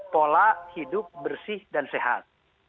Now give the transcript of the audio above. pola hidup bersih dan sehat